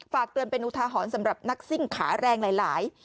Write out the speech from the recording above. ฝากเตือนเป็นอุทาหรณ์สำหรับนักซิ่งขาแรงหลาย